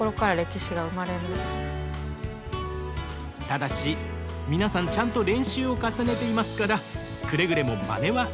ただし皆さんちゃんと練習を重ねていますからくれぐれもまねはしないで下さいね。